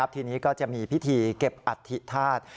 ทีนี้ก็จะมีพิธีเก็บอธิภาษณ์